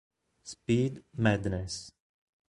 Speed Madness